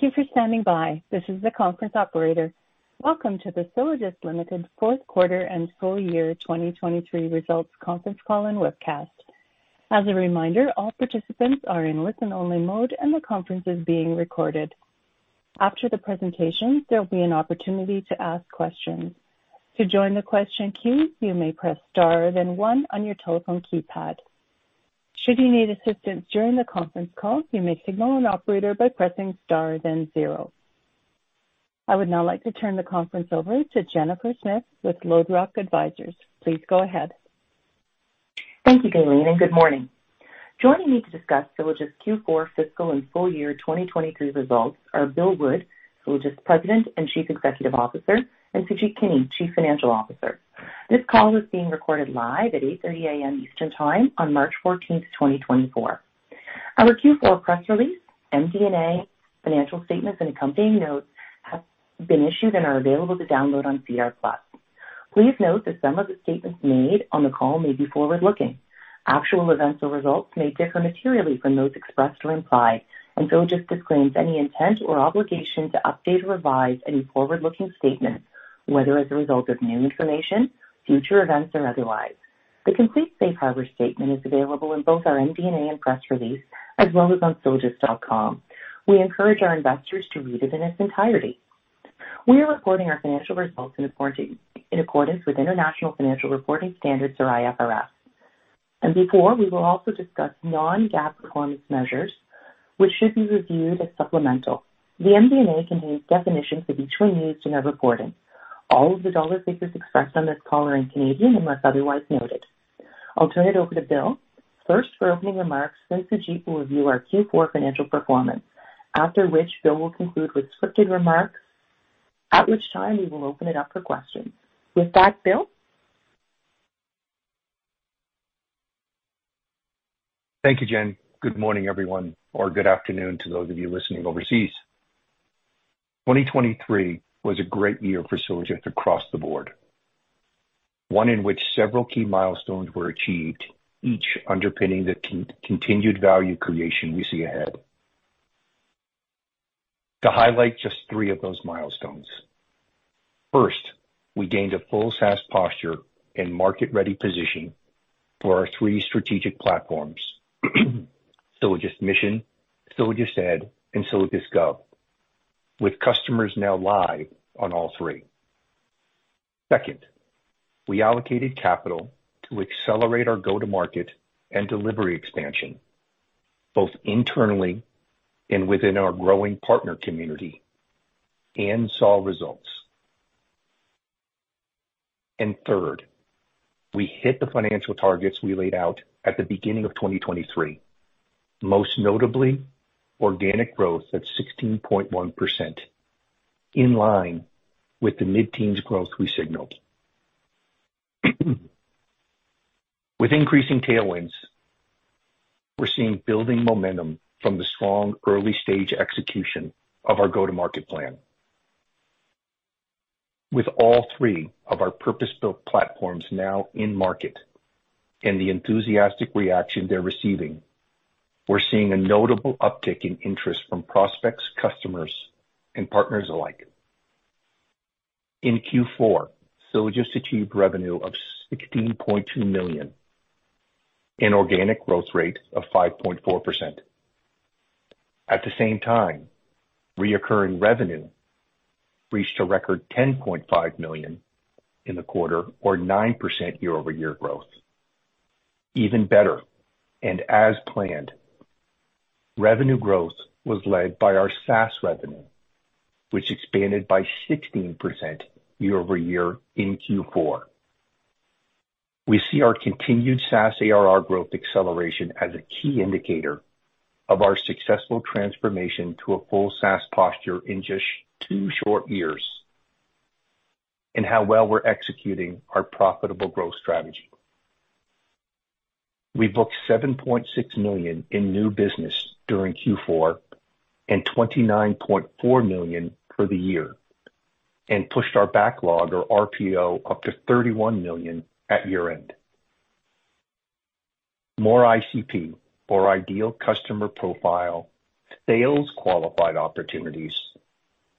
Thank you for standing by. This is the conference operator. Welcome to the Sylogist Limited fourth quarter and full year 2023 results Conference Call and webcast. As a reminder, all participants are in listen-only mode and the conference is being recorded. After the presentation, there will be an opportunity to ask questions. To join the question queue, you may Press Star then one on your telephone keypad. Should you need assistance during the Conference Call, you may signal an operator by pressing star then zero. I would now like to turn the conference over to Jennifer Smith with Loderock Advisors. Please go ahead. Thank you, Galen, and good morning. Joining me to discuss Sylogist Q4 fiscal and full year 2023 results are Bill Wood, Sylogist President and Chief Executive Officer, and Sujeet Kini, Chief Financial Officer. This call is being recorded live at 8:30 A.M. Eastern Time on 14th March 2024. Our Q4 press release, MD&A, financial statements, and accompanying notes have been issued and are available to download on CR+. Please note that some of the statements made on the call may be forward-looking. Actual events or results may differ materially from those expressed or implied, and Sylogist disclaims any intent or obligation to update or revise any forward-looking statements, whether as a result of new information, future events, or otherwise. The complete Safe Harbor statement is available in both our MD&A and press release as well as on sylogist.com. We encourage our investors to read it in its entirety. We are reporting our financial results in accordance with International Financial Reporting Standards, or IFRS. Before, we will also discuss non-GAAP performance measures, which should be reviewed as supplemental. The MD&A contains definitions of each one used in our reporting. All of the dollar figures expressed on this call are in Canadian unless otherwise noted. I'll turn it over to Bill first for opening remarks, then Sujeet will review our Q4 financial performance, after which Bill will conclude with scripted remarks, at which time we will open it up for questions. With that, Bill? Thank you, Jen. Good morning, everyone, or good afternoon to those of you listening overseas. 2023 was a great year for Sylogist across the board, one in which several key milestones were achieved, each underpinning the continued value creation we see ahead. To highlight just three of those milestones. First, we gained a full SaaS posture and market-ready position for our three strategic platforms: Sylogist Mission, SylogistED, and Sylogist Gov, with customers now live on all three. Second, we allocated capital to accelerate our go-to-market and delivery expansion, both internally and within our growing partner community, and saw results. And third, we hit the financial targets we laid out at the beginning of 2023, most notably organic growth at 16.1% in line with the mid-teens growth we signaled. With increasing tailwinds, we're seeing building momentum from the strong early-stage execution of our go-to-market plan. With all three of our purpose-built platforms now in market and the enthusiastic reaction they're receiving, we're seeing a notable uptick in interest from prospects, customers, and partners alike. In Q4, Sylogist achieved revenue of 16.2 million and organic growth rate of 5.4%. At the same time, recurring revenue reached a record 10.5 million in the quarter, or 9% year-over-year growth. Even better, and as planned, revenue growth was led by our SaaS revenue, which expanded by 16% year-over-year in Q4. We see our continued SaaS ARR growth acceleration as a key indicator of our successful transformation to a full SaaS posture in just two short years and how well we're executing our profitable growth strategy. We booked 7.6 million in new business during Q4 and 29.4 million for the year and pushed our backlog, or RPO, up to 31 million at year-end. More ICP, or ideal customer profile, sales-qualified opportunities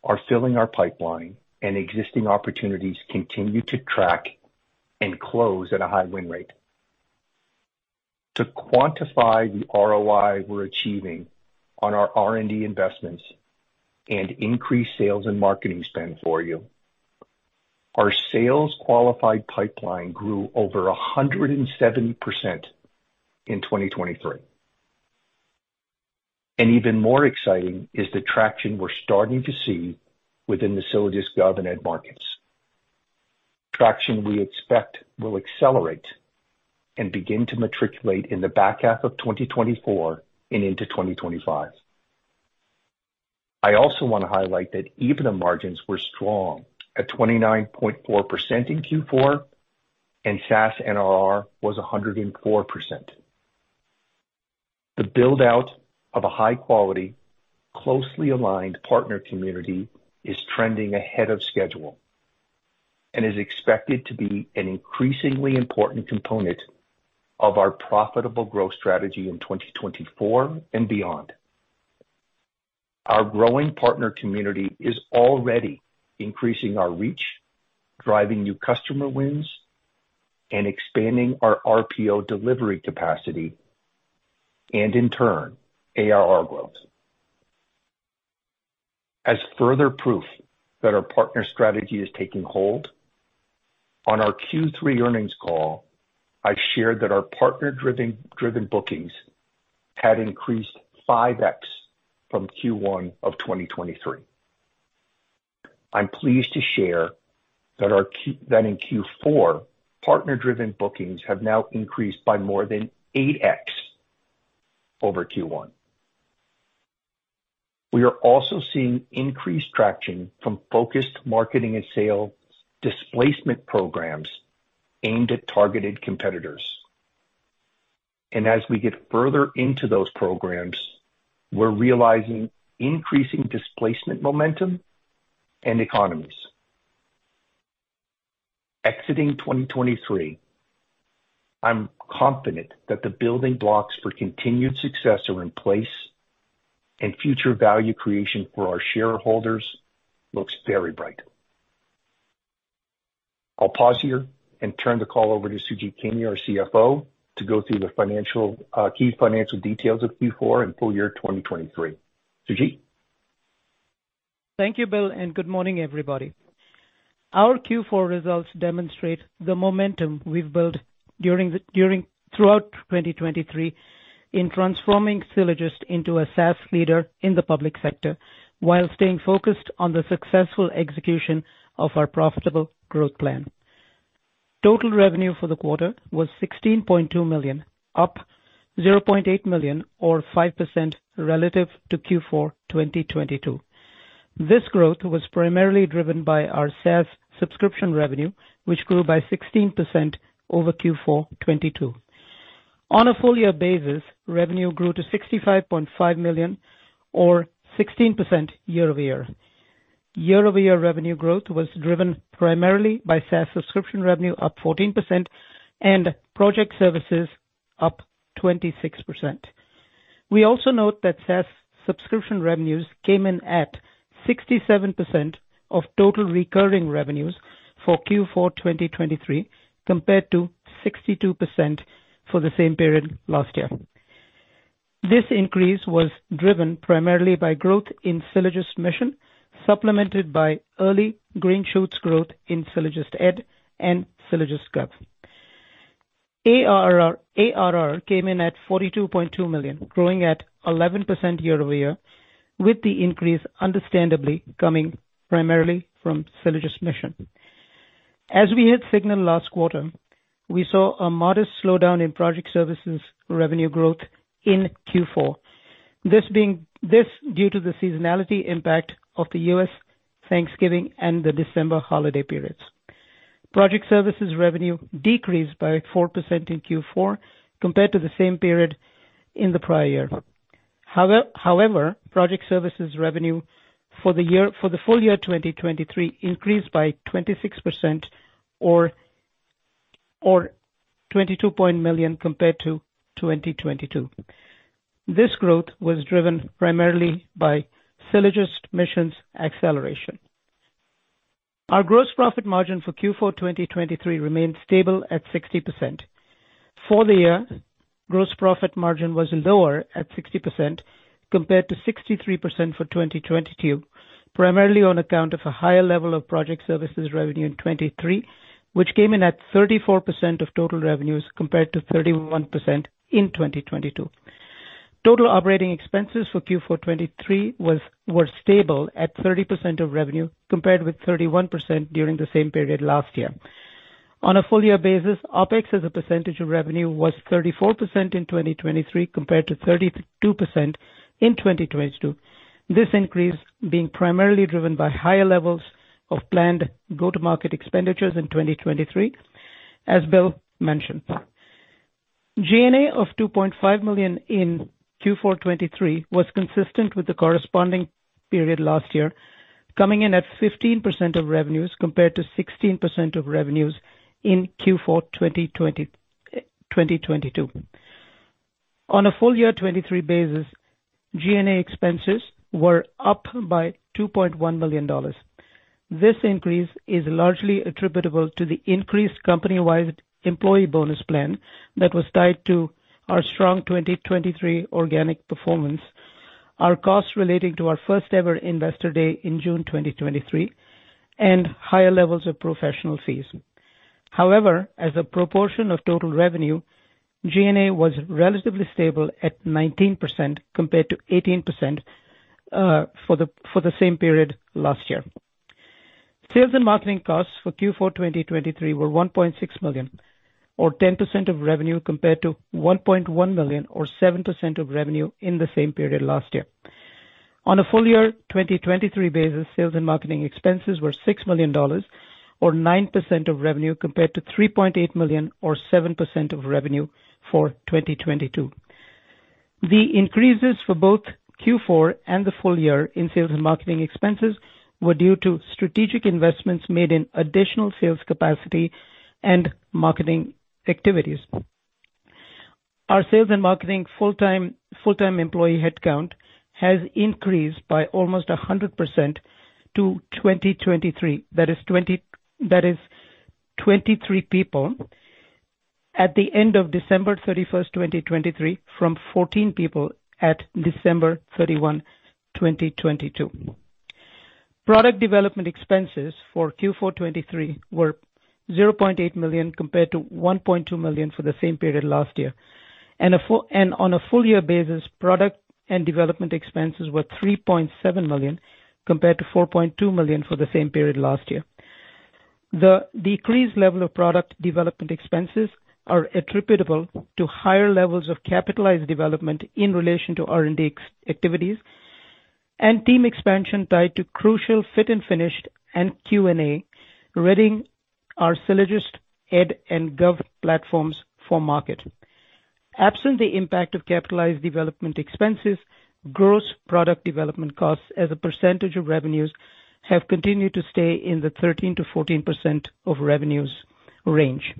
are filling our pipeline, and existing opportunities continue to track and close at a high win rate. To quantify the ROI we're achieving on our R&D investments and increase sales and marketing spend for you, our sales-qualified pipeline grew over 170% in 2023. And even more exciting is the traction we're starting to see within the SylogistGov and SylogistEd markets, traction we expect will accelerate and begin to matriculate in the back half of 2024 and into 2025. I also want to highlight that even the margins were strong at 29.4% in Q4, and SaaS NRR was 104%. The buildout of a high-quality, closely aligned partner community is trending ahead of schedule and is expected to be an increasingly important component of our profitable growth strategy in 2024 and beyond. Our growing partner community is already increasing our reach, driving new customer wins, and expanding our RPO delivery capacity and, in turn, ARR growth. As further proof that our partner strategy is taking hold, on our Q3 earnings call, I shared that our partner-driven bookings had increased 5x from Q1 of 2023. I'm pleased to share that in Q4, partner-driven bookings have now increased by more than 8x over Q1. We are also seeing increased traction from focused marketing and sales displacement programs aimed at targeted competitors. And as we get further into those programs, we're realizing increasing displacement momentum and economies. Exiting 2023, I'm confident that the building blocks for continued success are in place, and future value creation for our shareholders looks very bright. I'll pause here and turn the call over to Sujeet Kini, our CFO, to go through the key financial details of Q4 and full year 2023. Sujeet? Thank you, Bill, and good morning, everybody. Our Q4 results demonstrate the momentum we've built throughout 2023 in transforming Sylogist into a SaaS leader in the public sector while staying focused on the successful execution of our profitable growth plan. Total revenue for the quarter was 16.2 million, up 0.8 million or 5% relative to Q4 2022. This growth was primarily driven by our SaaS subscription revenue, which grew by 16% over Q4 2022. On a full-year basis, revenue grew to 65.5 million or 16% year-over-year. Year-over-year revenue growth was driven primarily by SaaS subscription revenue, up 14%, and project services, up 26%. We also note that SaaS subscription revenues came in at 67% of total recurring revenues for Q4 2023 compared to 62% for the same period last year. This increase was driven primarily by growth in SylogistMission, supplemented by early green shoots growth in SylogistEd and SylogistGov. ARR came in at 42.2 million, growing at 11% year-over-year, with the increase understandably coming primarily from SylogistMission. As we had signaled last quarter, we saw a modest slowdown in project services revenue growth in Q4, this due to the seasonality impact of the US Thanksgiving and the December holiday periods. Project services revenue decreased by 4% in Q4 compared to the same period in the prior year. However, project services revenue for the full year 2023 increased by 26% or 22.0 million compared to 2022. This growth was driven primarily by SylogistMission's acceleration. Our gross profit margin for Q4 2023 remained stable at 60%. For the year, gross profit margin was lower at 60% compared to 63% for 2022, primarily on account of a higher level of project services revenue in 2023, which came in at 34% of total revenues compared to 31% in 2022. Total operating expenses for Q4 2023 were stable at 30% of revenue compared with 31% during the same period last year. On a full-year basis, OPEX as a percentage of revenue was 34% in 2023 compared to 32% in 2022, this increase being primarily driven by higher levels of planned go-to-market expenditures in 2023, as Bill mentioned. G&A of 2.5 million in Q4 2023 was consistent with the corresponding period last year, coming in at 15% of revenues compared to 16% of revenues in Q4 2022. On a full-year 2023 basis, G&A expenses were up by 2.1 million dollars. This increase is largely attributable to the increased company-wide employee bonus plan that was tied to our strong 2023 organic performance, our costs relating to our first-ever investor day in June 2023, and higher levels of professional fees. However, as a proportion of total revenue, G&A was relatively stable at 19% compared to 18% for the same period last year. Sales and marketing costs for Q4 2023 were 1.6 million or 10% of revenue compared to 1.1 million or 7% of revenue in the same period last year. On a full-year 2023 basis, sales and marketing expenses were 6 million dollars or 9% of revenue compared to 3.8 million or 7% of revenue for 2022. The increases for both Q4 and the full year in sales and marketing expenses were due to strategic investments made in additional sales capacity and marketing activities. Our sales and marketing full-time employee headcount has increased by almost 100% to 2023. That is 23 people at the end of 31st December 2023, from 14 people at 31st December 2022. Product development expenses for Q4 2023 were 0.8 million compared to 1.2 million for the same period last year. On a full-year basis, product and development expenses were 3.7 million compared to 4.2 million for the same period last year. The decreased level of product development expenses are attributable to higher levels of capitalized development in relation to R&D activities and team expansion tied to crucial fit-and-finish and Q&A, readying our SylogistEd and SylogistGov platforms for market. Absent the impact of capitalized development expenses, gross product development costs as a percentage of revenues have continued to stay in the 13%-14% of revenues range.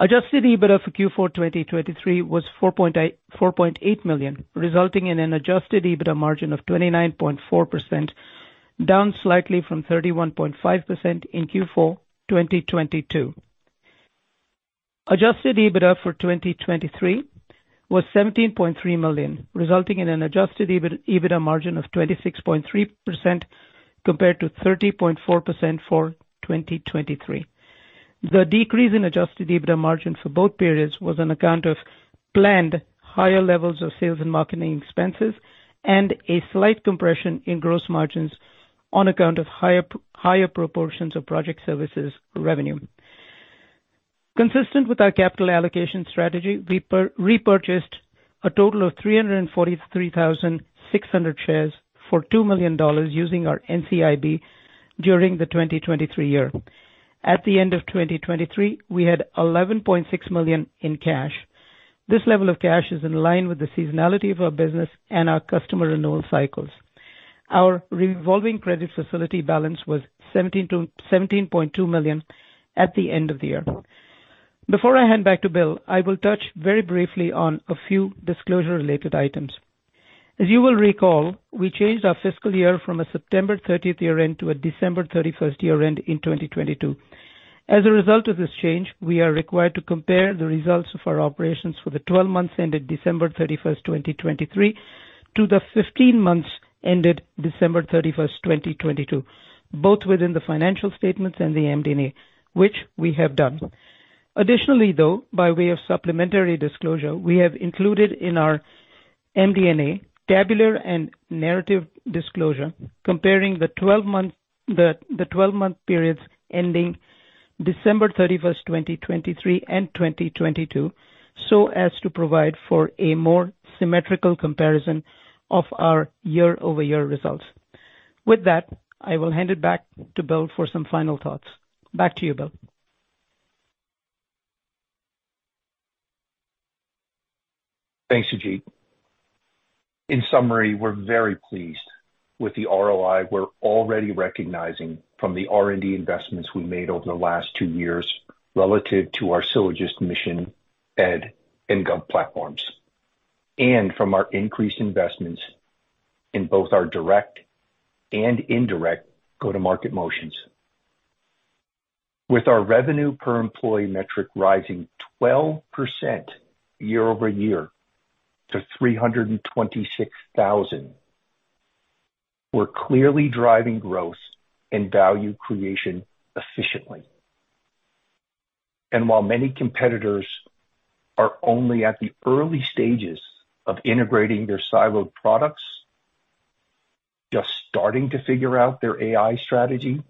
Adjusted EBITDA for Q4 2023 was 4.8 million, resulting in an adjusted EBITDA margin of 29.4%, down slightly from 31.5% in Q4 2022. Adjusted EBITDA for 2023 was 17.3 million, resulting in an adjusted EBITDA margin of 26.3% compared to 30.4% for 2023. The decrease in adjusted EBITDA margin for both periods was on account of planned higher levels of sales and marketing expenses and a slight compression in gross margins on account of higher proportions of project services revenue. Consistent with our capital allocation strategy, we repurchased a total of 343,600 shares for 2 million dollars using our NCIB during the 2023 year. At the end of 2023, we had 11.6 million in cash. This level of cash is in line with the seasonality of our business and our customer renewal cycles. Our revolving credit facility balance was 17.2 million at the end of the year. Before I hand back to Bill, I will touch very briefly on a few disclosure-related items. As you will recall, we changed our fiscal year from a 30th September year-end to a 31st December year-end in 2022. As a result of this change, we are required to compare the results of our operations for the 12 months ended 31st December 2023, to the 15 months ended 31st December 2022, both within the financial statements and the MD&A, which we have done. Additionally, though, by way of supplementary disclosure, we have included in our MD&A tabular and narrative disclosure comparing the 12-month periods ending 31st December 2023, and 2022 so as to provide for a more symmetrical comparison of our year-over-year results. With that, I will hand it back to Bill for some final thoughts. Back to you, Bill. Thanks, Sujeet. In summary, we're very pleased with the ROI we're already recognizing from the R&D investments we made over the last two years relative to our Sylogist Mission, ED, and Gov platforms and from our increased investments in both our direct and indirect go-to-market motions. With our revenue per employee metric rising 12% year-over-year to 326,000, we're clearly driving growth and value creation efficiently. While many competitors are only at the early stages of integrating their siloed products, just starting to figure out their AI strategy,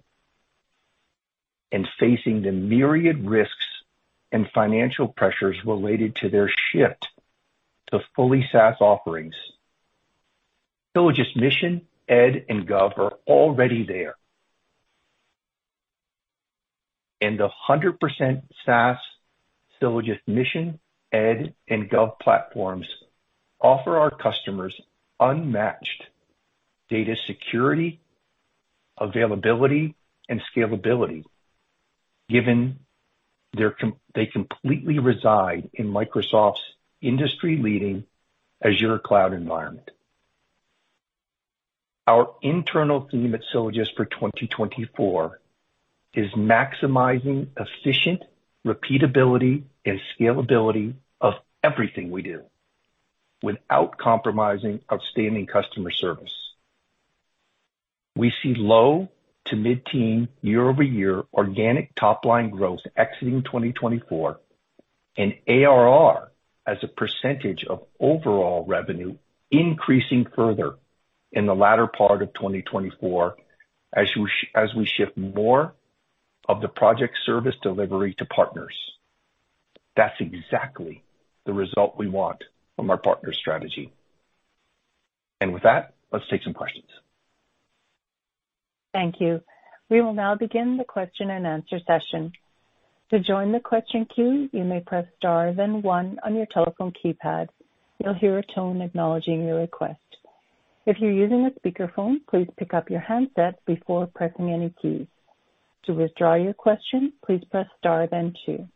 and facing the myriad risks and financial pressures related to their shift to fully SaaS offerings, Sylogist Mission, ED, and Gov are already there. The 100% SaaS Sylogist Mission, ED, and Gov platforms offer our customers unmatched data security, availability, and scalability given they completely reside in Microsoft's industry-leading Azure Cloud environment. Our internal theme at Sylogist for 2024 is maximizing efficient repeatability and scalability of everything we do without compromising outstanding customer service. We see low to mid-teens year-over-year organic top-line growth exiting 2024 and ARR as a percentage of overall revenue increasing further in the latter part of 2024 as we shift more of the project service delivery to partners. That's exactly the result we want from our partner strategy. And with that, let's take some questions. Thank you. We will now begin the question-and-answer session. To join the question queue, you may press star then one on your telephone keypad. You'll hear a tone acknowledging your request. If you're using a speakerphone, please pick up your handset before pressing any keys. To withdraw your question, please press star then two.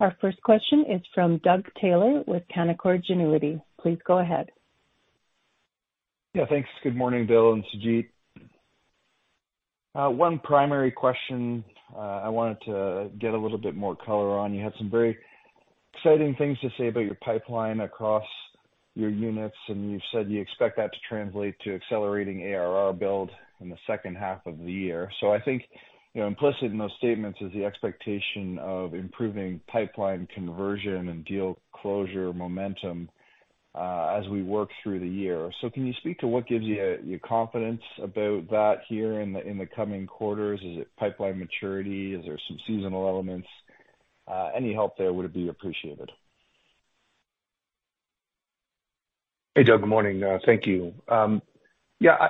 Our first question is from Doug Taylor with Canaccord Genuity. Please go ahead. Yeah, thanks. Good morning, Bill and Sujeet. One primary question I wanted to get a little bit more color on. You had some very exciting things to say about your pipeline across your units, and you've said you expect that to translate to accelerating ARR build in the second half of the year. So I think implicit in those statements is the expectation of improving pipeline conversion and deal closure momentum as we work through the year. So can you speak to what gives you confidence about that here in the coming quarters? Is it pipeline maturity? Is there some seasonal elements? Any help there would be appreciated. Hey, Doug. Morning. Thank you. Yeah,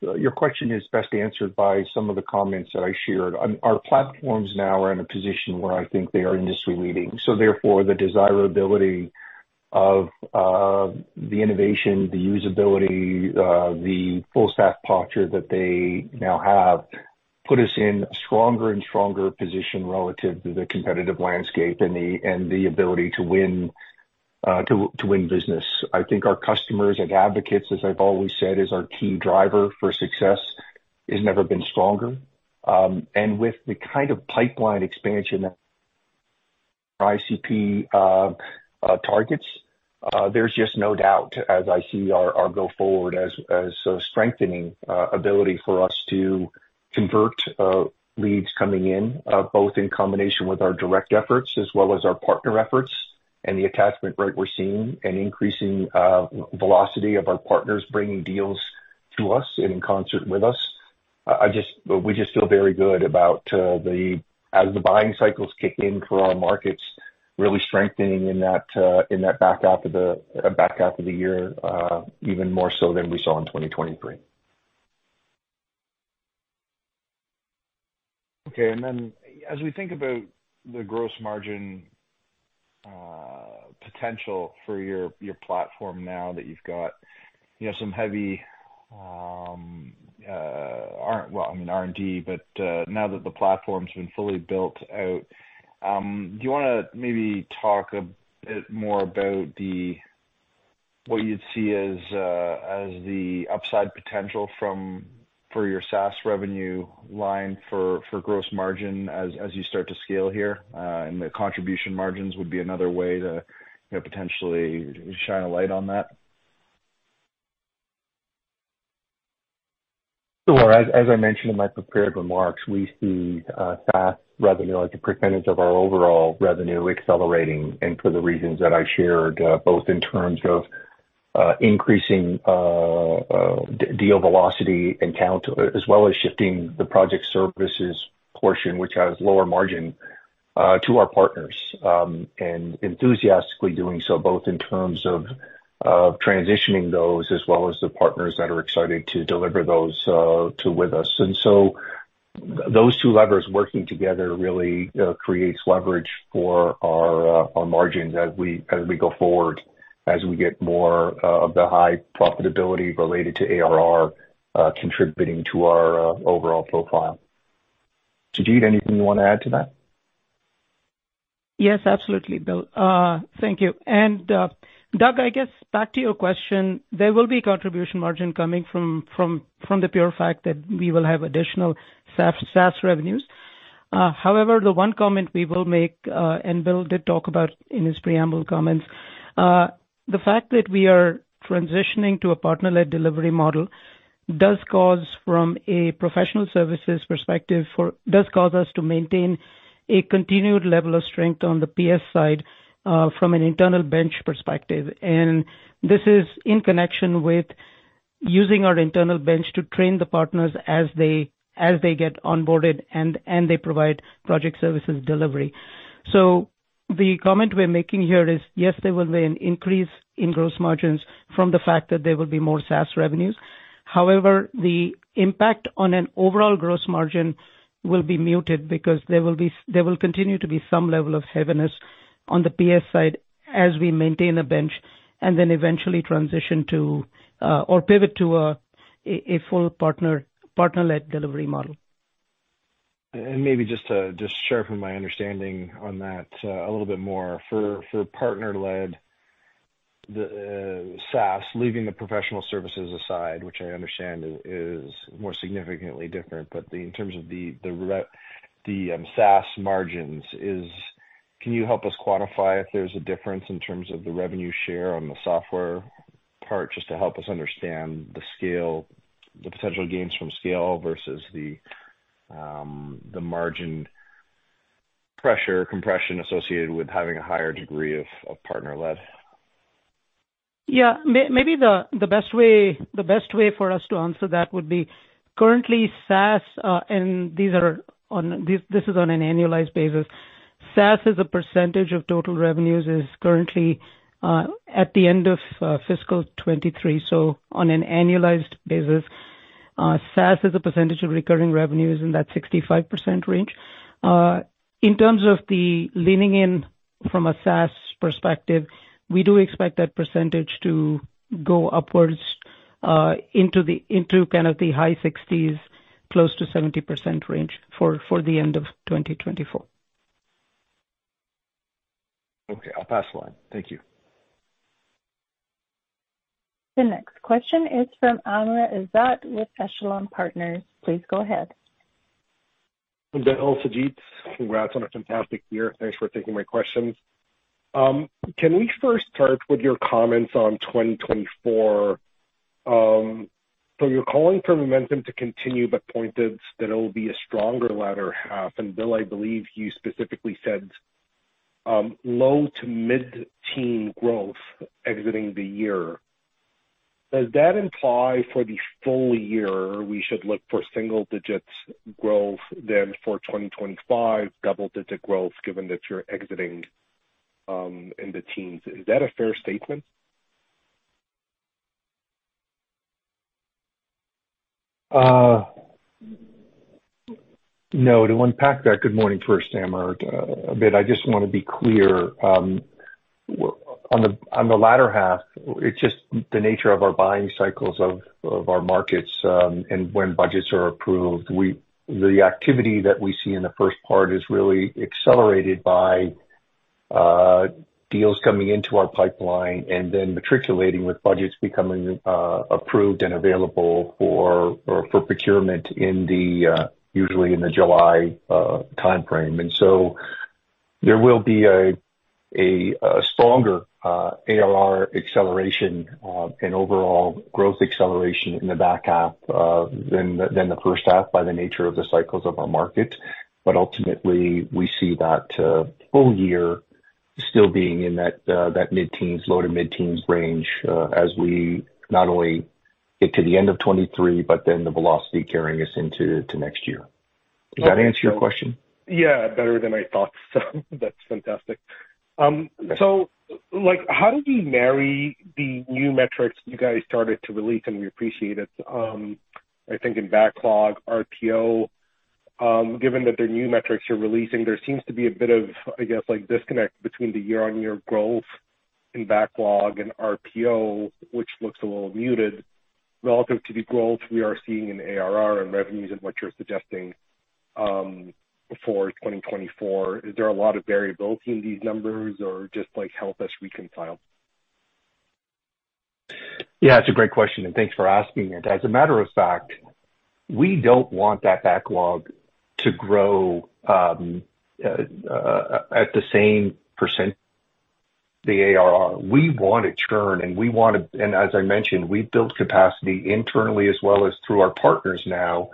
your question is best answered by some of the comments that I shared. Our platforms now are in a position where I think they are industry-leading. So therefore, the desirability of the innovation, the usability, the full-staff posture that they now have put us in a stronger and stronger position relative to the competitive landscape and the ability to win business. I think our customers and advocates, as I've always said, is our key driver for success. It's never been stronger. And with the kind of pipeline expansion that ICP targets, there's just no doubt, as I see our go-forward as a strengthening ability for us to convert leads coming in, both in combination with our direct efforts as well as our partner efforts and the attachment rate we're seeing and increasing velocity of our partners bringing deals to us and in concert with us. We just feel very good about the as the buying cycles kick in for our markets, really strengthening in that back half of the year even more so than we saw in 2023. Okay. And then as we think about the gross margin potential for your platform now that you've got some heavy, well, I mean, R&D, but now that the platform's been fully built out, do you want to maybe talk a bit more about what you'd see as the upside potential for your SaaS revenue line for gross margin as you start to scale here? And the contribution margins would be another way to potentially shine a light on that. Sure. As I mentioned in my prepared remarks, we see SaaS revenue as a percentage of our overall revenue accelerating and for the reasons that I shared, both in terms of increasing deal velocity and count as well as shifting the project services portion, which has lower margin, to our partners and enthusiastically doing so both in terms of transitioning those as well as the partners that are excited to deliver those with us. And so those two levers working together really creates leverage for our margins as we go forward, as we get more of the high profitability related to ARR contributing to our overall profile. Sujeet, anything you want to add to that? Yes, absolutely, Bill. Thank you. And Doug, I guess back to your question, there will be contribution margin coming from the pure fact that we will have additional SaaS revenues. However, the one comment we will make and Bill did talk about in his preamble comments, the fact that we are transitioning to a partner-led delivery model does cause from a professional services perspective does cause us to maintain a continued level of strength on the PS side from an internal bench perspective. And this is in connection with using our internal bench to train the partners as they get onboarded and they provide project services delivery. So the comment we're making here is, yes, there will be an increase in gross margins from the fact that there will be more SaaS revenues. However, the impact on an overall gross margin will be muted because there will continue to be some level of heaviness on the PS side as we maintain a bench and then eventually transition to or pivot to a full partner-led delivery model. Maybe just to sharpen my understanding on that a little bit more, for partner-led SaaS, leaving the professional services aside, which I understand is more significantly different, but in terms of the SaaS margins, can you help us quantify if there's a difference in terms of the revenue share on the software part just to help us understand the potential gains from scale versus the margin pressure compression associated with having a higher degree of partner-led? Yeah. Maybe the best way for us to answer that would be currently SaaS, and this is on an annualized basis. SaaS as a percentage of total revenues is currently at the end of fiscal 2023. So on an annualized basis, SaaS as a percentage of recurring revenue is in that 65% range. In terms of the leaning in from a SaaS perspective, we do expect that percentage to go upwards into kind of the high 60s, close to 70% range for the end of 2024. Okay. I'll pass the line. Thank you. The next question is from Amr Ezzat with Echelon Wealth Partners. Please go ahead. Hi Bill Sujeet. Congrats on a fantastic year. Thanks for taking my questions. Can we first start with your comments on 2024? So you're calling for momentum to continue but pointed that it will be a stronger latter half. And Bill, I believe you specifically said low to mid-teens growth exiting the year. Does that imply for the full year, we should look for single-digit growth then for 2025, double-digit growth given that you're exiting in the teens? Is that a fair statement? No. To unpack that, good morning first, Amr, a bit. I just want to be clear. On the latter half, it's just the nature of our buying cycles of our markets and when budgets are approved. The activity that we see in the first part is really accelerated by deals coming into our pipeline and then materializing with budgets becoming approved and available for procurement usually in the July timeframe. And so there will be a stronger ARR acceleration and overall growth acceleration in the back half than the first half by the nature of the cycles of our market. But ultimately, we see that full year still being in that mid-teens, low to mid-teens range as we not only get to the end of 2023, but then the velocity carrying us into next year. Does that answer your question? Yeah, better than I thought. So that's fantastic. So how do we marry the new metrics you guys started to release? And we appreciate it. I think in backlog, RPO, given that they're new metrics you're releasing, there seems to be a bit of, I guess, disconnect between the year-on-year growth in backlog and RPO, which looks a little muted relative to the growth we are seeing in ARR and revenues and what you're suggesting for 2024. Is there a lot of variability in these numbers or just help us reconcile? Yeah, it's a great question. And thanks for asking it. As a matter of fact, we don't want that backlog to grow at the same percentage, the ARR. We want it churn. And as I mentioned, we've built capacity internally as well as through our partners now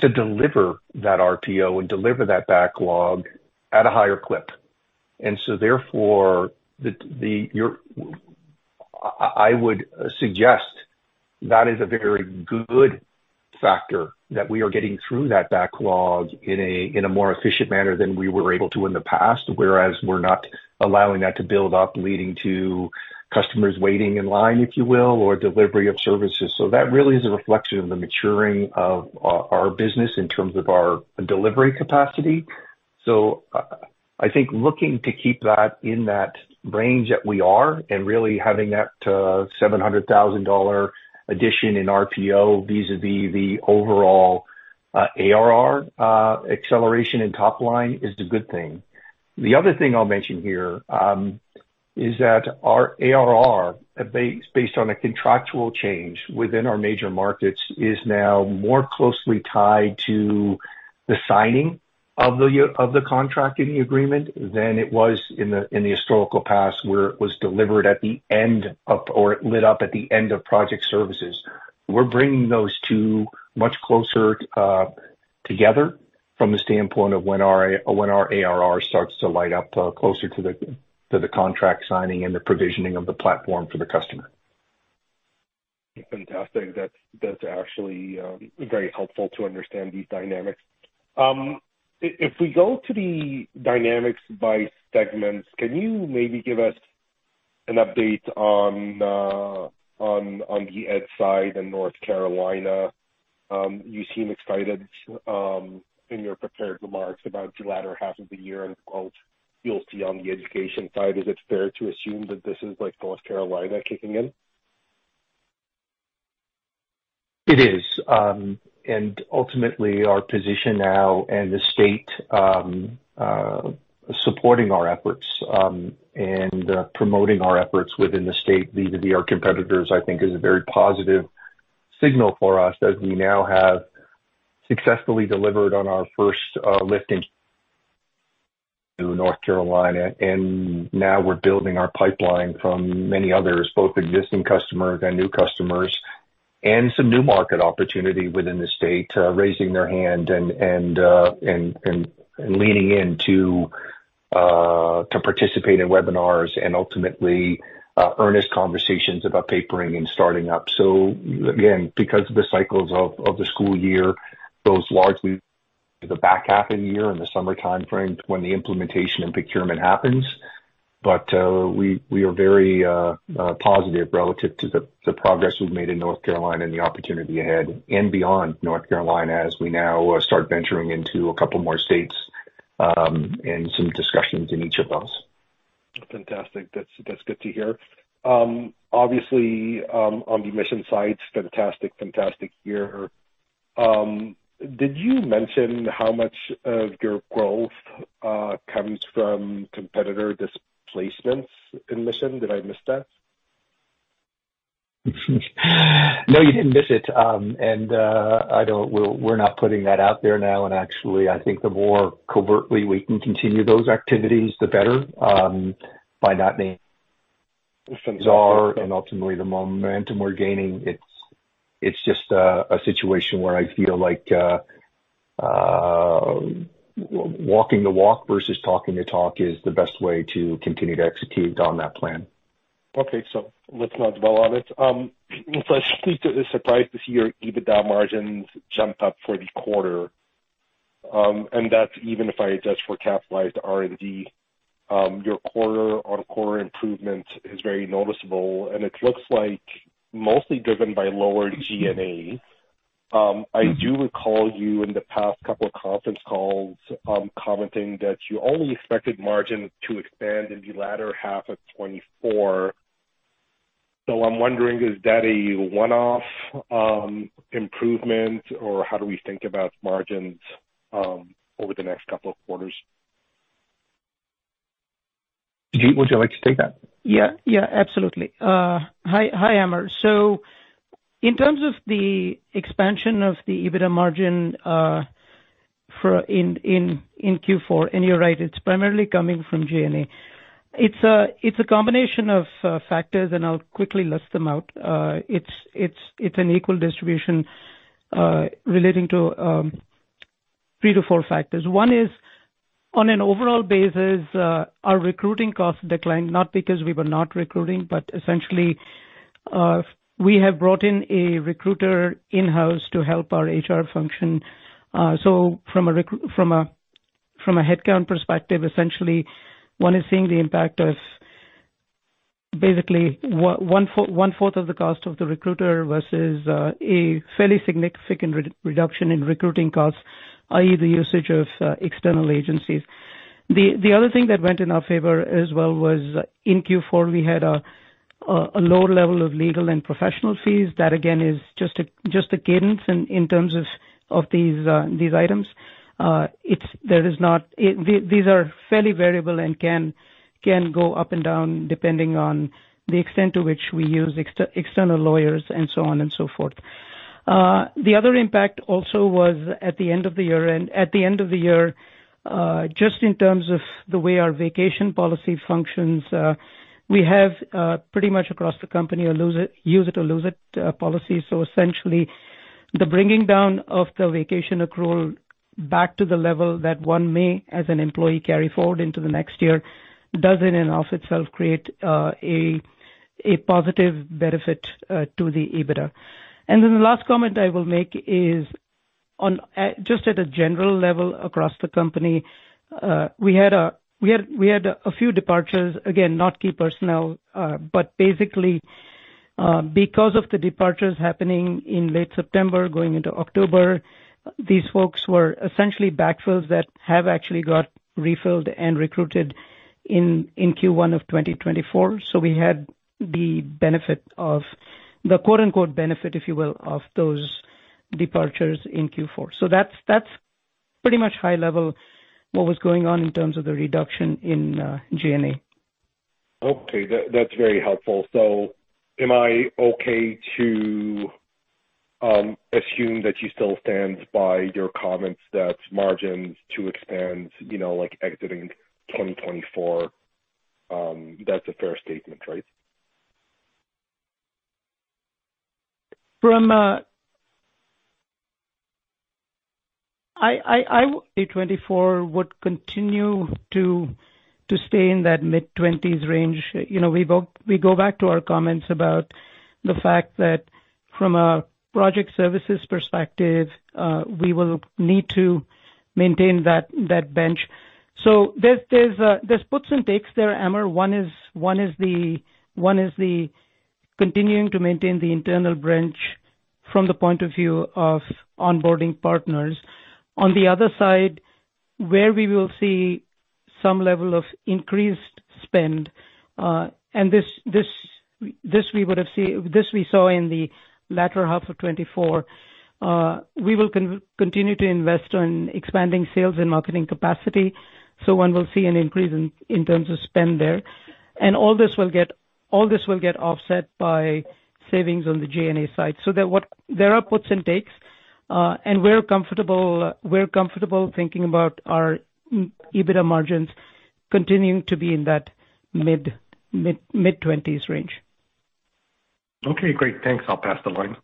to deliver that RPO and deliver that backlog at a higher clip. And so therefore, I would suggest that is a very good factor that we are getting through that backlog in a more efficient manner than we were able to in the past, whereas we're not allowing that to build up leading to customers waiting in line, if you will, or delivery of services. So that really is a reflection of the maturing of our business in terms of our delivery capacity. I think looking to keep that in that range that we are and really having that 700,000 dollar addition in RPO vis-à-vis the overall ARR acceleration and top line is a good thing. The other thing I'll mention here is that our ARR, based on a contractual change within our major markets, is now more closely tied to the signing of the contract and the agreement than it was in the historical past where it was delivered at the end of or it lit up at the end of project services. We're bringing those two much closer together from the standpoint of when our ARR starts to light up closer to the contract signing and the provisioning of the platform for the customer. Fantastic. That's actually very helpful to understand these dynamics. If we go to the dynamics by segments, can you maybe give us an update on the Ed side and North Carolina? You seem excited in your prepared remarks about the latter half of the year and, quote, "You'll see on the education side." Is it fair to assume that this is North Carolina kicking in? It is. And ultimately, our position now and the state supporting our efforts and promoting our efforts within the state, vis-à-vis our competitors, I think is a very positive signal for us as we now have successfully delivered on our first lift in North Carolina. And now we're building our pipeline from many others, both existing customers and new customers, and some new market opportunity within the state raising their hand and leaning in to participate in webinars and ultimately earnest conversations about papering and starting up. So again, because of the cycles of the school year, those largely the back half of the year in the summer timeframe when the implementation and procurement happens. But we are very positive relative to the progress we've made in North Carolina and the opportunity ahead and beyond North Carolina as we now start venturing into a couple more states and some discussions in each of those. Fantastic. That's good to hear. Obviously, on the mission side, fantastic, fantastic year. Did you mention how much of your growth comes from competitor displacements in mission? Did I miss that? No, you didn't miss it. We're not putting that out there now. Actually, I think the more covertly we can continue those activities, the better. By not naming it. Fantastic. Ultimately, the momentum we're gaining, it's just a situation where I feel like walking the walk versus talking the talk is the best way to continue to execute on that plan. Okay. So let's not dwell on it. So I speak to the surprise to see your EBITDA margins jump up for the quarter. And that's even if I just forecast R&D. Your quarter-on-quarter improvement is very noticeable. And it looks like mostly driven by lower G&A. I do recall you in the past couple of conference calls commenting that you only expected margin to expand in the latter half of 2024. So I'm wondering, is that a one-off improvement, or how do we think about margins over the next couple of quarters? Would you like to take that? Yeah. Yeah, absolutely. Hi, Amr. So in terms of the expansion of the EBITDA margin in Q4, and you're right, it's primarily coming from G&A. It's a combination of factors, and I'll quickly list them out. It's an equal distribution relating to three to four factors. One is, on an overall basis, our recruiting costs declined, not because we were not recruiting, but essentially, we have brought in a recruiter in-house to help our HR function. So from a headcount perspective, essentially, one is seeing the impact of basically one-fourth of the cost of the recruiter versus a fairly significant reduction in recruiting costs, i.e., the usage of external agencies. The other thing that went in our favor as well was in Q4, we had a lower level of legal and professional fees. That, again, is just a cadence in terms of these items. There is not. These are fairly variable and can go up and down depending on the extent to which we use external lawyers and so on and so forth. The other impact also was at the end of the year and at the end of the year, just in terms of the way our vacation policy functions. We have pretty much across the company a use-it-or-lose-it policy. So essentially, the bringing down of the vacation accrual back to the level that one may as an employee carry forward into the next year does in and of itself create a positive benefit to the EBITDA. And then the last comment I will make is just at a general level across the company, we had a few departures. Again, not key personnel, but basically, because of the departures happening in late September, going into October, these folks were essentially backfills that have actually got refilled and recruited in Q1 of 2024. So we had the benefit of the "benefit," if you will, of those departures in Q4. So that's pretty much high-level what was going on in terms of the reduction in G&A. Okay. That's very helpful. So am I okay to assume that you still stand by your comments that margins to expand exiting 2024? That's a fair statement, right? For FY 2024 would continue to stay in that mid 20s range. We go back to our comments about the fact that from a project services perspective, we will need to maintain that bench. So there's puts and takes there, Amr. One is the continuing to maintain the internal bench from the point of view of onboarding partners. On the other side, where we will see some level of increased spend, and this we would have seen this we saw in the latter half of 2024, we will continue to invest in expanding sales and marketing capacity. So one will see an increase in terms of spend there. And all this will get all this will get offset by savings on the G&A side. So there are puts and takes. And we're comfortable thinking about our EBITDA margins continuing to be in that mid 20s range. Okay. Great. Thanks. I'll pass the line.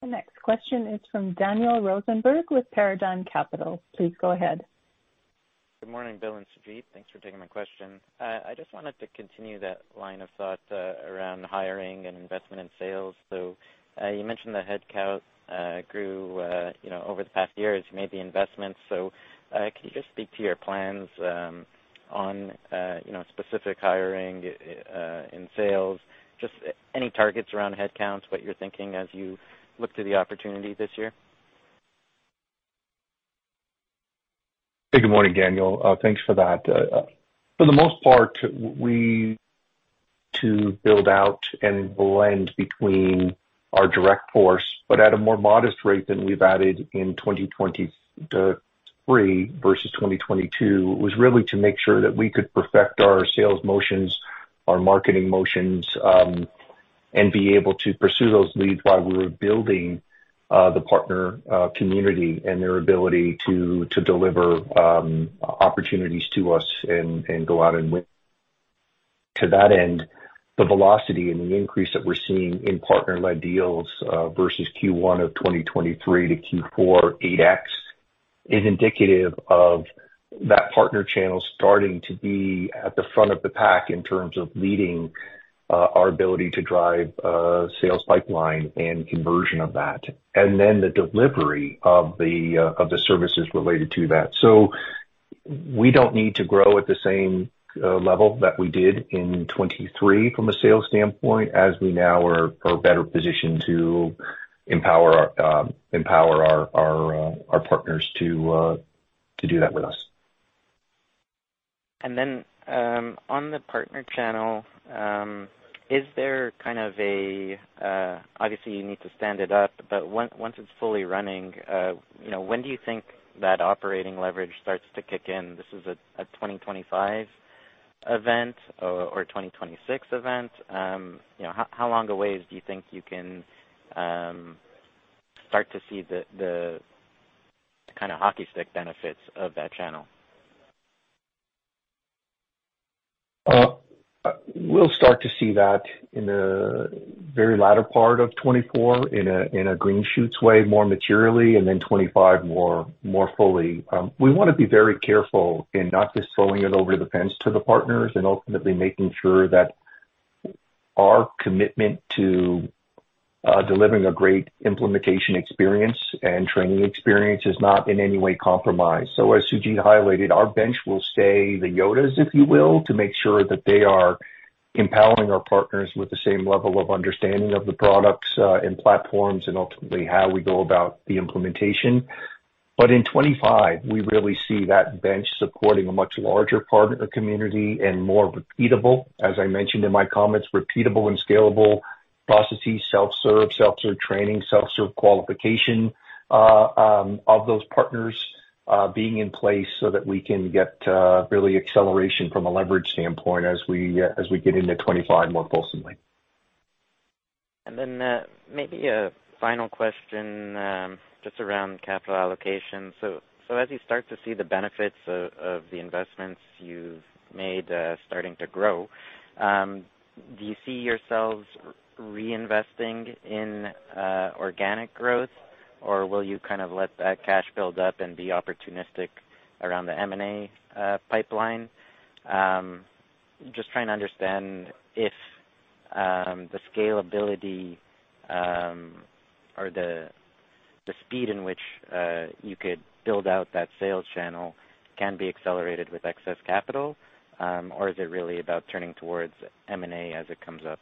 The next question is from Daniel Rosenberg with Paradigm Capital. Please go ahead. Good morning, Bill and Sujeet. Thanks for taking my question. I just wanted to continue that line of thought around hiring and investment in sales. So you mentioned the headcount grew over the past years. You made the investments. So can you just speak to your plans on specific hiring in sales? Just any targets around headcounts, what you're thinking as you look to the opportunity this year? Hey, good morning, Daniel. Thanks for that. For the most part, to build out and blend between our direct force, but at a more modest rate than we've added in 2023 versus 2022, was really to make sure that we could perfect our sales motions, our marketing motions, and be able to pursue those leads while we were building the partner community and their ability to deliver opportunities to us and go out and win. To that end, the velocity and the increase that we're seeing in partner-led deals versus Q1 of 2023 to Q4 2023 is indicative of that partner channel starting to be at the front of the pack in terms of leading our ability to drive sales pipeline and conversion of that, and then the delivery of the services related to that. We don't need to grow at the same level that we did in 2023 from a sales standpoint as we now are better positioned to empower our partners to do that with us. And then on the partner channel, is there kind of a obviously, you need to stand it up, but once it's fully running, when do you think that operating leverage starts to kick in? This is a 2025 event or 2026 event. How long away do you think you can start to see the kind of hockey stick benefits of that channel? We'll start to see that in the very latter part of 2024 in a green shoots way, more materially, and then 2025 more fully. We want to be very careful in not just throwing it over the fence to the partners and ultimately making sure that our commitment to delivering a great implementation experience and training experience is not in any way compromised. So as Sujeet highlighted, our bench will stay the yodas, if you will, to make sure that they are empowering our partners with the same level of understanding of the products and platforms and ultimately how we go about the implementation. But in 2025, we really see that bench supporting a much larger partner community and more repeatable, as I mentioned in my comments, repeatable and scalable processes, self-serve, self-serve training, self-serve qualification of those partners being in place so that we can get really acceleration from a leverage standpoint as we get into 2025 more fulsomely. Maybe a final question just around capital allocation. So as you start to see the benefits of the investments you've made starting to grow, do you see yourselves reinvesting in organic growth, or will you kind of let that cash build up and be opportunistic around the M&A pipeline? Just trying to understand if the scalability or the speed in which you could build out that sales channel can be accelerated with excess capital, or is it really about turning towards M&A as it comes up?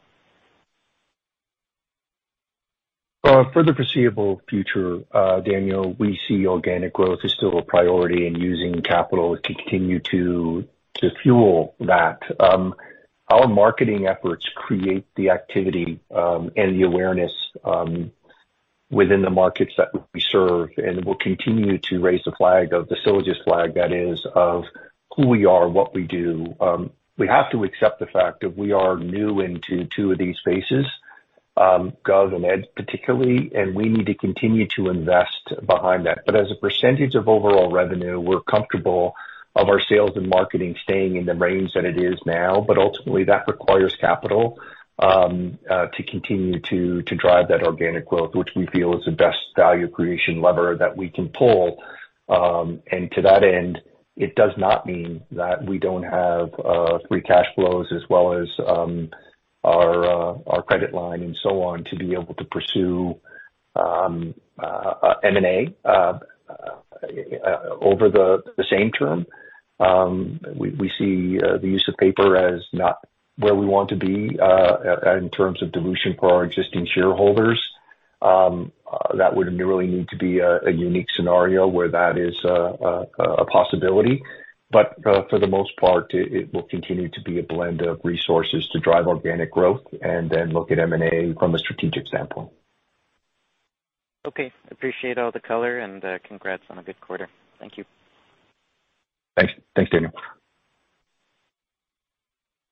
For the foreseeable future, Daniel, we see organic growth is still a priority and using capital to continue to fuel that. Our marketing efforts create the activity and the awareness within the markets that we serve and will continue to raise the flag of the Sylogist flag, that is, of who we are, what we do. We have to accept the fact that we are new into two of these spaces, Gov and Ed particularly, and we need to continue to invest behind that. But as a percentage of overall revenue, we're comfortable of our sales and marketing staying in the range that it is now. But ultimately, that requires capital to continue to drive that organic growth, which we feel is the best value creation lever that we can pull. And to that end, it does not mean that we don't have free cash flows as well as our credit line and so on to be able to pursue M&A over the same term. We see the use of paper as not where we want to be in terms of dilution for our existing shareholders. That would really need to be a unique scenario where that is a possibility. But for the most part, it will continue to be a blend of resources to drive organic growth and then look at M&A from a strategic standpoint. Okay. Appreciate all the color, and congrats on a good quarter. Thank you. Thanks. Thanks, Daniel.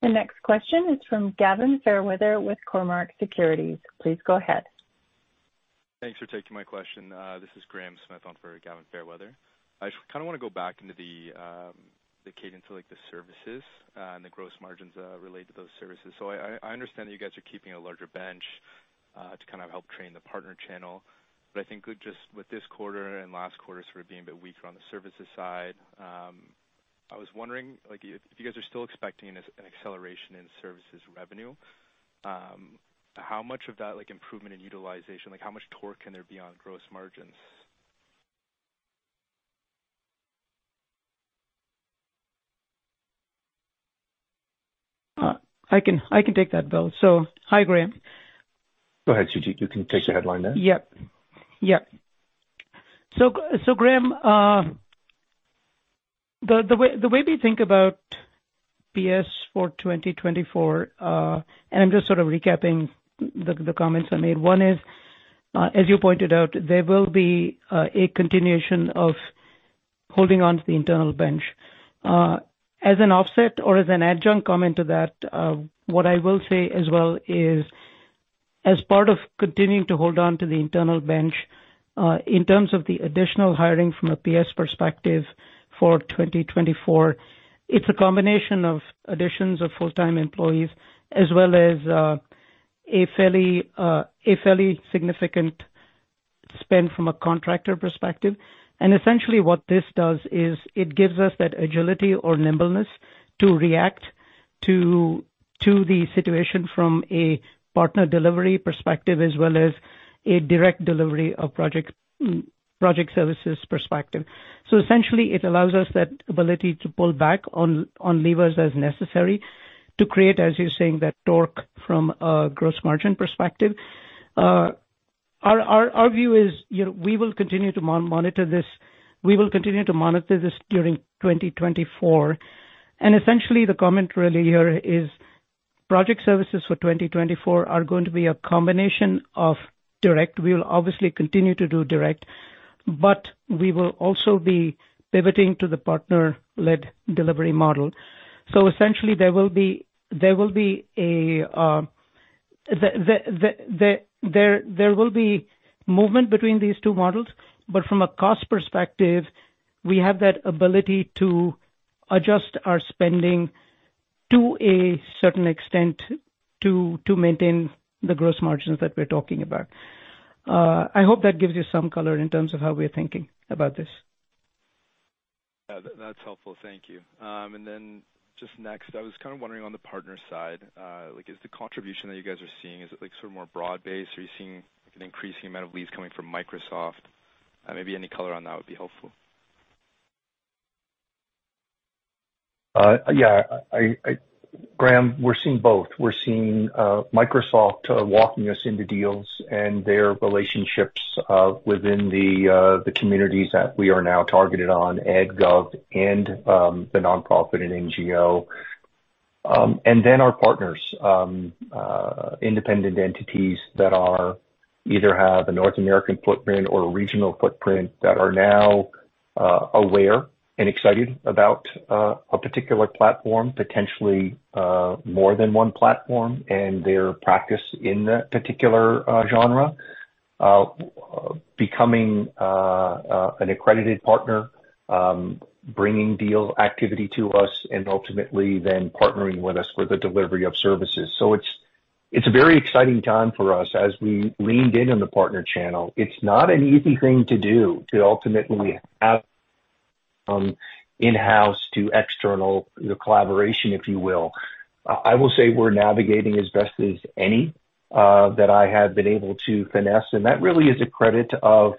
The next question is from Gavin Fairweather with Cormark Securities. Please go ahead. Thanks for taking my question. This is Graham Smith on for Gavin Fairweather. I kind of want to go back into the cadence of the services and the gross margins related to those services. So I understand that you guys are keeping a larger bench to kind of help train the partner channel, but I think just with this quarter and last quarter sort of being a bit weaker on the services side, I was wondering if you guys are still expecting an acceleration in services revenue, how much of that improvement in utilization, how much torque can there be on gross margins? I can take that, Bill. So hi, Graham. Go ahead, Sujeet. You can take the headline there. Yep. Yep. So, Graham, the way we think about BS for 2024, and I'm just sort of recapping the comments I made. One is, as you pointed out, there will be a continuation of holding on to the internal bench. As an offset or as an adjunct comment to that, what I will say as well is, as part of continuing to hold on to the internal bench, in terms of the additional hiring from a PS perspective for 2024, it's a combination of additions of full-time employees as well as a fairly significant spend from a contractor perspective. Essentially, what this does is it gives us that agility or nimbleness to react to the situation from a partner delivery perspective as well as a direct delivery of project services perspective. So essentially, it allows us that ability to pull back on levers as necessary to create, as you're saying, that torque from a gross margin perspective. Our view is we will continue to monitor this. We will continue to monitor this during 2024. And essentially, the comment really here is project services for 2024 are going to be a combination of direct. We will obviously continue to do direct, but we will also be pivoting to the partner-led delivery model. So essentially, there will be movement between these two models. But from a cost perspective, we have that ability to adjust our spending to a certain extent to maintain the gross margins that we're talking about. I hope that gives you some color in terms of how we're thinking about this. Yeah. That's helpful. Thank you. And then just next, I was kind of wondering on the partner side, is the contribution that you guys are seeing is it sort of more broad-based? Are you seeing an increasing amount of leads coming from Microsoft? Maybe any color on that would be helpful. Yeah. Graham, we're seeing both. We're seeing Microsoft walking us into deals and their relationships within the communities that we are now targeted on, Ed, Gov, and the nonprofit and NGO. And then our partners, independent entities that either have a North American footprint or a regional footprint that are now aware and excited about a particular platform, potentially more than one platform, and their practice in that particular genre, becoming an accredited partner, bringing deal activity to us, and ultimately then partnering with us for the delivery of services. So it's a very exciting time for us. As we leaned in on the partner channel, it's not an easy thing to do to ultimately have in-house to external collaboration, if you will. I will say we're navigating as best as any that I have been able to finesse. And that really is a credit of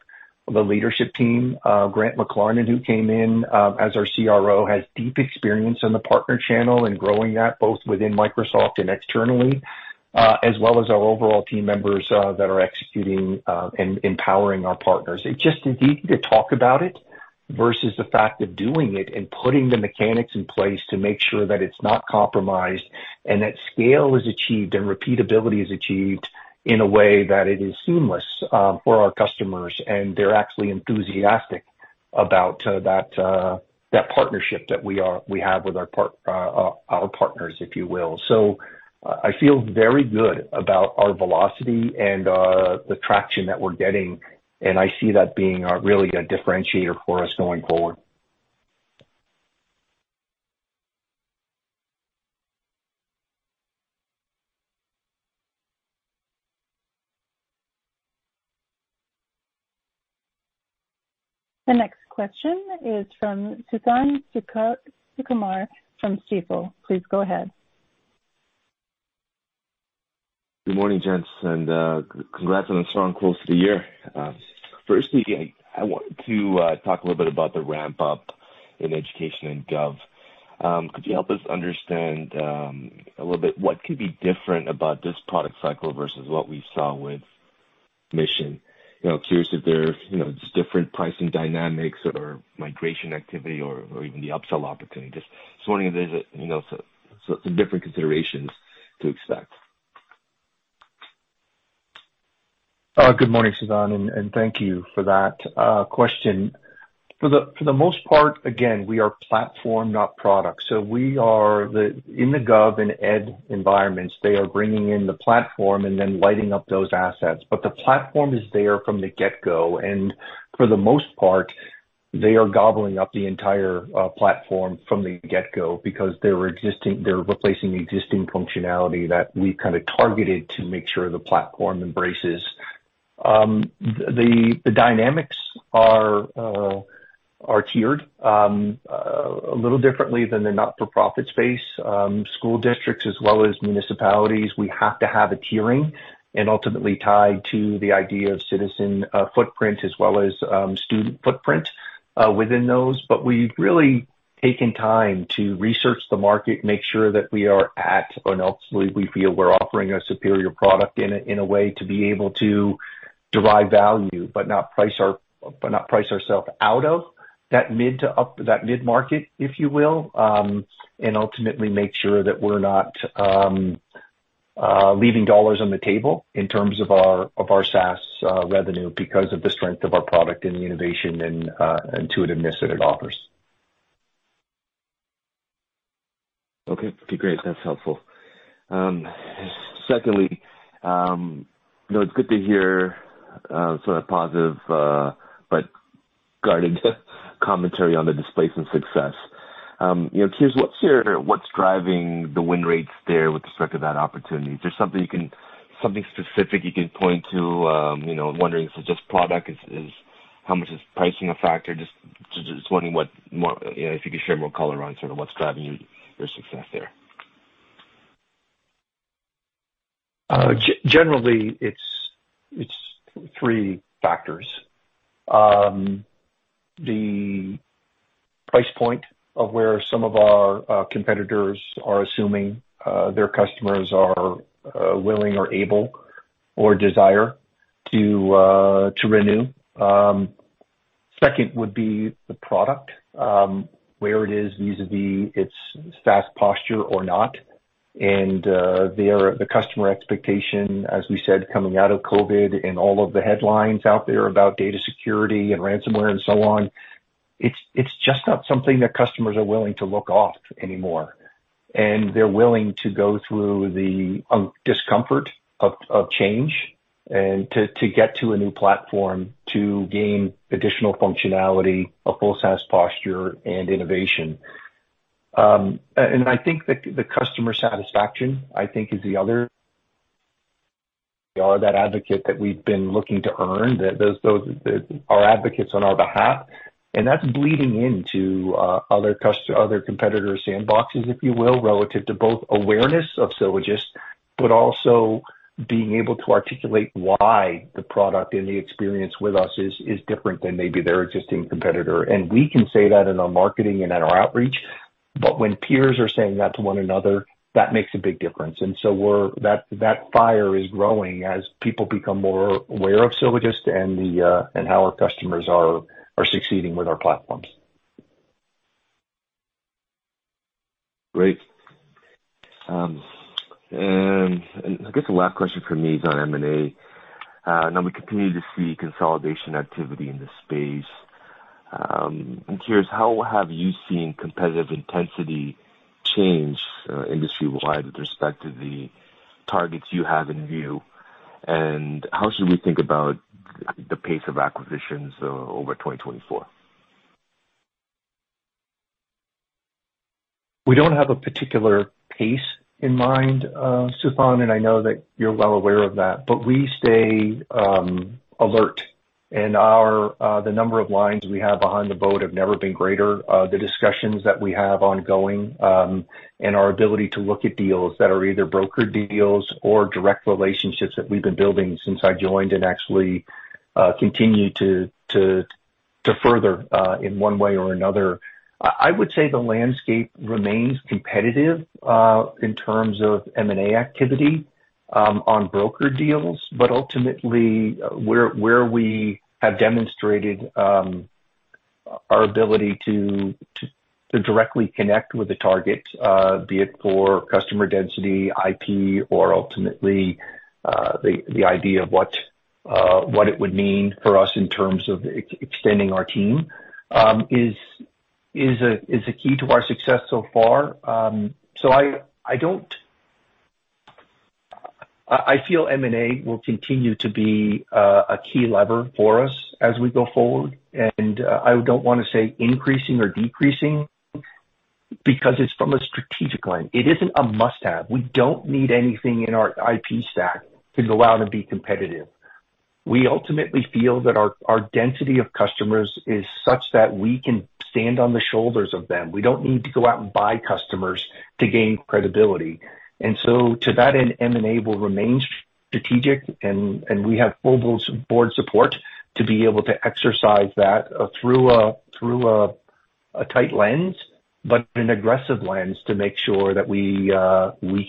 the leadership team. Grant McLarnon, who came in as our CRO, has deep experience on the partner channel and growing that both within Microsoft and externally, as well as our overall team members that are executing and empowering our partners. It's just easy to talk about it versus the fact of doing it and putting the mechanics in place to make sure that it's not compromised and that scale is achieved and repeatability is achieved in a way that it is seamless for our customers. And they're actually enthusiastic about that partnership that we have with our partners, if you will. So I feel very good about our velocity and the traction that we're getting. And I see that being really a differentiator for us going forward. The next question is from Suthan Sukumar from Stifel. Please go ahead. Good morning, gents, and congrats on a strong close to the year. Firstly, I want to talk a little bit about the ramp-up in education and Gov. Could you help us understand a little bit what could be different about this product cycle versus what we saw with Mission? Curious if there's different pricing dynamics or migration activity or even the upsell opportunity. Just wondering if there's some different considerations to expect. Good morning, Suthan, and thank you for that question. For the most part, again, we are platform, not product. So in the Gov and Ed environments, they are bringing in the platform and then lighting up those assets. But the platform is there from the get-go. And for the most part, they are gobbling up the entire platform from the get-go because they're replacing existing functionality that we've kind of targeted to make sure the platform embraces. The dynamics are tiered a little differently than the not-for-profit space. School districts as well as municipalities, we have to have a tiering and ultimately tie to the idea of citizen footprint as well as student footprint within those. But we've really taken time to research the market, make sure that we are at, and ultimately, we feel we're offering a superior product in a way to be able to derive value but not price ourself out of that mid-market, if you will, and ultimately make sure that we're not leaving dollars on the table in terms of our SaaS revenue because of the strength of our product and the innovation and intuitiveness that it offers. Okay. Okay. Great. That's helpful. Secondly, it's good to hear sort of positive but guarded commentary on the displacement success. Curious, what's driving the win rates there with respect to that opportunity? Is there something specific you can point to? I'm wondering, is it just product? How much is pricing a factor? Just wondering if you could share more color on sort of what's driving your success there. Generally, it's three factors. The price point of where some of our competitors are assuming their customers are willing or able or desire to renew. Second would be the product, where it is vis-à-vis its SaaS posture or not. The customer expectation, as we said, coming out of COVID and all of the headlines out there about data security and ransomware and so on, it's just not something that customers are willing to overlook anymore. They're willing to go through the discomfort of change and to get to a new platform to gain additional functionality, a full SaaS posture, and innovation. I think the customer satisfaction, I think, is the other. We are that advocate that we've been looking to earn, our advocates on our behalf. And that's bleeding into other competitors' sandboxes, if you will, relative to both awareness of Sylogist but also being able to articulate why the product and the experience with us is different than maybe their existing competitor. And we can say that in our marketing and in our outreach. But when peers are saying that to one another, that makes a big difference. And so that fire is growing as people become more aware of Sylogist and how our customers are succeeding with our platforms. Great. And I guess the last question for me is on M&A. Now, we continue to see consolidation activity in the space. I'm curious, how have you seen competitive intensity change industry-wide with respect to the targets you have in view? And how should we think about the pace of acquisitions over 2024? We don't have a particular pace in mind, Susan, and I know that you're well aware of that. We stay alert. The number of lines we have behind the boat have never been greater. The discussions that we have ongoing and our ability to look at deals that are either brokered deals or direct relationships that we've been building since I joined and actually continue to further in one way or another. I would say the landscape remains competitive in terms of M&A activity on brokered deals. Ultimately, where we have demonstrated our ability to directly connect with the target, be it for customer density, IP, or ultimately the idea of what it would mean for us in terms of extending our team, is a key to our success so far. So I feel M&A will continue to be a key lever for us as we go forward. And I don't want to say increasing or decreasing because it's from a strategic line. It isn't a must-have. We don't need anything in our IP stack to go out and be competitive. We ultimately feel that our density of customers is such that we can stand on the shoulders of them. We don't need to go out and buy customers to gain credibility. And so to that end, M&A will remain strategic. And we have full board support to be able to exercise that through a tight lens but an aggressive lens to make sure that we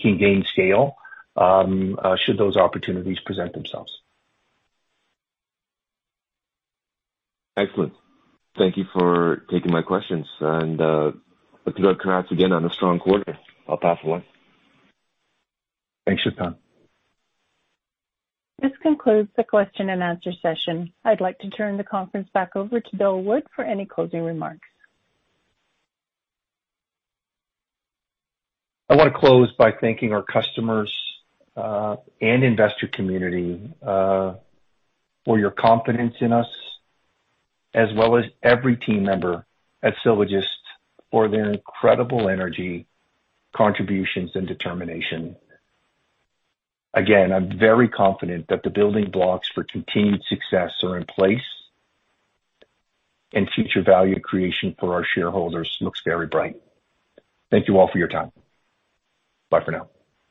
can gain scale should those opportunities present themselves. Excellent. Thank you for taking my questions. I think, congrats again on a strong quarter. I'll pass it along. Thanks, Susan. This concludes the question-and-answer session. I'd like to turn the conference back over to Bill Wood for any closing remarks. I want to close by thanking our customers and investor community for your confidence in us as well as every team member at Sylogist for their incredible energy, contributions, and determination. Again, I'm very confident that the building blocks for continued success are in place and future value creation for our shareholders looks very bright. Thank you all for your time. Bye for now.